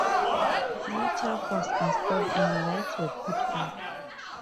New turf was installed, and lights were put up.